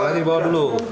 yang ini bawa dulu